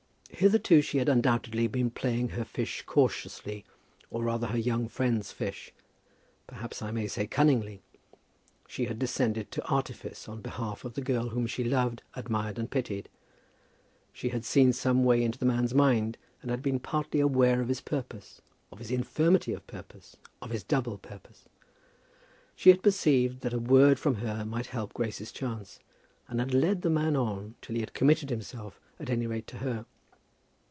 Hitherto she had undoubtedly been playing her fish cautiously, or rather her young friend's fish, perhaps I may say cunningly. She had descended to artifice on behalf of the girl whom she loved, admired, and pitied. She had seen some way into the man's mind, and had been partly aware of his purpose, of his infirmity of purpose, of his double purpose. She had perceived that a word from her might help Grace's chance, and had led the man on till he had committed himself, at any rate to her.